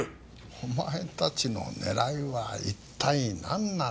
お前たちの狙いは一体なんなんだ？